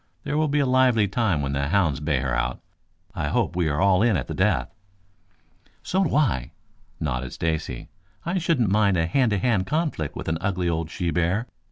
There will be a lively time when the hounds bay her out. I hope we are all in at the death." "So do I," nodded Stacy. "I shouldn't mind a hand to hand conflict with an ugly old she bear.